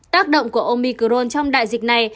tác động của omicron trong đại dịch này